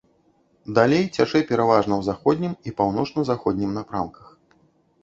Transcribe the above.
Далей цячэ пераважна ў заходнім і паўночна-заходнім напрамках.